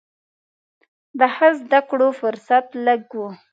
د ښه زده کړو فرصت لږ و.